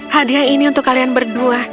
hadiah ini untuk kalian berdua